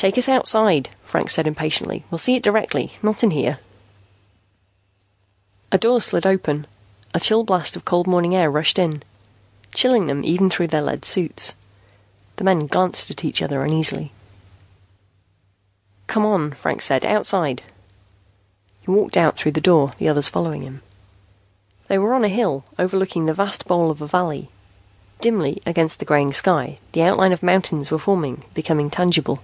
"Take us outside," Franks said impatiently. "We'll see it directly, not in here." A door slid open. A chill blast of cold morning air rushed in, chilling them even through their lead suits. The men glanced at each other uneasily. "Come on," Franks said. "Outside." He walked out through the door, the others following him. They were on a hill, overlooking the vast bowl of a valley. Dimly, against the graying sky, the outline of mountains were forming, becoming tangible.